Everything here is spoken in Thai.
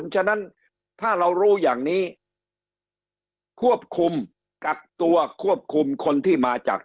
ฉะนั้นถ้าเรารู้อย่างนี้ควบคุมกักตัวควบคุมคนที่มาจาก